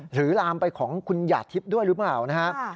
ลามไปของคุณหยาดทิพย์ด้วยหรือเปล่านะฮะ